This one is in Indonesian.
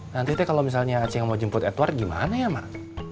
nanti teh kalau misalnya aceh mau jemput edward gimana ya mak